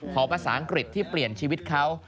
ภาษาอังกฤษที่เปลี่ยนชีวิตเขา